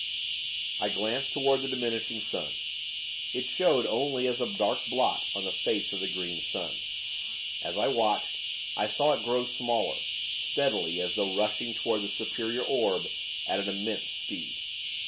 I glanced toward the diminishing sun. It showed, only as a dark blot on the face of the Green Sun. As I watched, I saw it grow smaller, steadily, as though rushing toward the superior orb, at an immense speed.